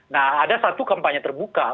nah ada satu kampanye terbuka